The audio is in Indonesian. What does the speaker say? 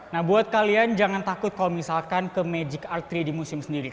nah buat kalian jangan takut kalau misalkan ke magic art tiga di musim sendiri